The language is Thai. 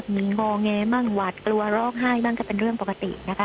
มีงอแงมั่งหวาดกลัวร้องไห้บ้างก็เป็นเรื่องปกตินะคะ